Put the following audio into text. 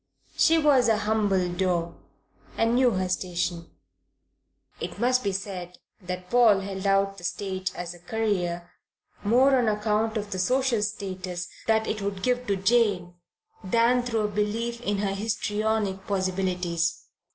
She was a humble daw and knew her station. It must be said that Paul held out the stage as a career more on account of the social status that it would give to Jane than through a belief in her histrionic possibilities.